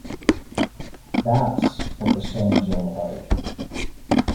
That's what the song is all about.